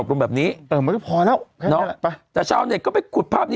แมวแบบนี้เออมาเรียบร้อยแล้วใช่ป่ะแต่ชาวเน็ตก็ไปขุดภาพ